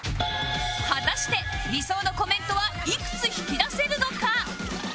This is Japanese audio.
果たして理想のコメントはいくつ引き出せるのか？